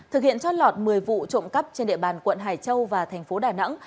thực hiện trót lọt một mươi vụ trộm cắp trên địa bàn quận hải châu và thành phố đà nẵng